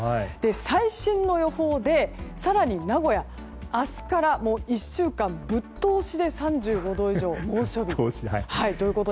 最新の予報で、更に名古屋明日から１週間ぶっ通しで３５度を超える猛暑日。